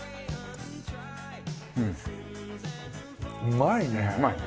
うまいね。